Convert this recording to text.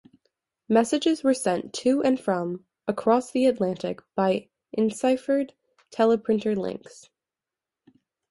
Messages were sent to and from across the Atlantic by enciphered teleprinter links.